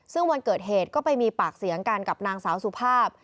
ซึ่งวันเกิดเหตุก็ไปมีปากเสียงกันกับนางสาวสุภาพ